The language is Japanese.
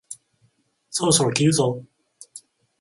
そろそろ切るぞ？